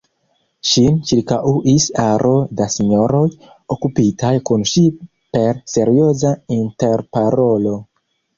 Ŝin ĉirkaŭis aro da sinjoroj, okupitaj kun ŝi per serioza interparolo.